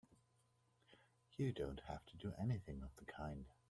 You don't have to do anything of the kind!